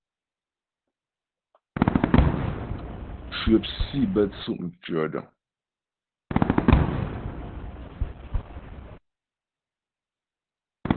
Cwəp sǐ bə́ tsʉ' mtʉ̂ɔdəŋ.